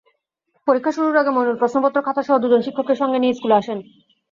পরীক্ষা শুরুর আগে মইনুল প্রশ্নপত্র, খাতাসহ দুজন শিক্ষককে সঙ্গে নিয়ে স্কুলে আসেন।